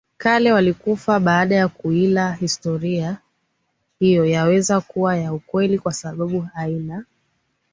kale walikufa baada ya kuila Historia hiyo yaweza kuwa ya ukweli kwa sababu aina